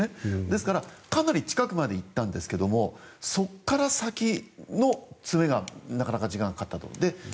ですから、かなり近くまで行ったんですがそこから先の詰めがなかなか時間がかかったと。